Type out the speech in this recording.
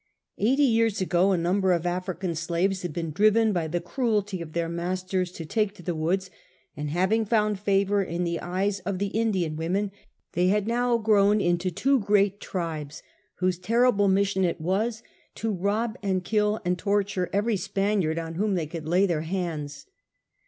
Eighty years ago a number of African slaves had been driven by the cruelty of their masters to take to the woods, and having found favour in the eyes of the Indian women, they had now grown into two great tribes, whose terrible mission it was to rob, and kill, and torture every Spaniard on whom they could lay their hands.